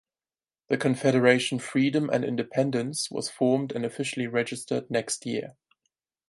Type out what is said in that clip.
The Confederation Freedom and Independence was formed and officially registered next year.